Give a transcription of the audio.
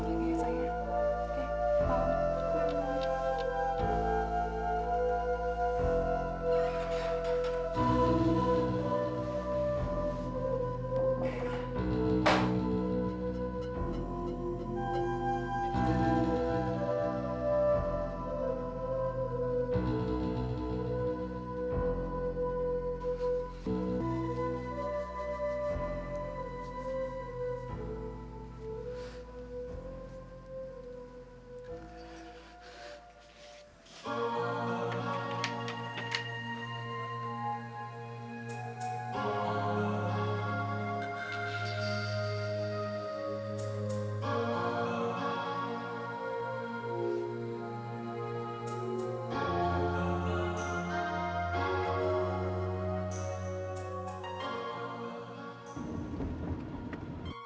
lagi ya sayang oke selamat malam